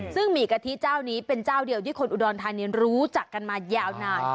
ซึ่งหมี่กะทิเจ้านี้เป็นเจ้าเดียวที่คนอุดรธานีรู้จักกันมายาวนาน